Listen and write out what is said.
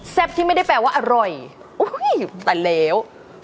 แซ่บที่ไม่ได้แปลว่าอร่อยแต่เลว